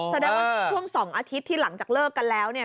แสดงว่าช่วง๒อาทิตย์ที่หลังจากเลิกกันแล้วเนี่ย